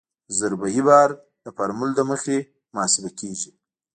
ضربه یي بار د فورمول له مخې محاسبه کیږي